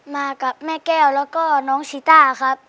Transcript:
มากับแม่แก้วแล้วก็น้องชีต้าครับ